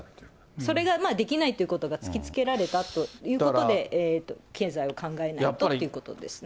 それができないということが突きつけられたということで、経済を考えないとということですね。